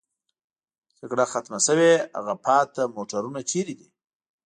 جګړه ختمه شوې، هغه پاتې موټرونه چېرې دي؟